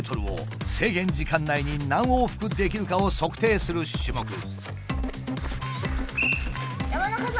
２０ｍを制限時間内に何往復できるかを測定する種目。